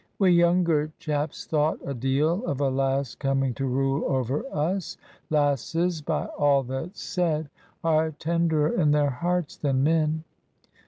We younger chaps thought a deal of a lass coming to rule over us. Lasses, by all that's said, are tenderer in their hearts than men.